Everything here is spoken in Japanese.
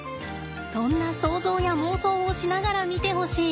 そんな想像や妄想をしながら見てほしい。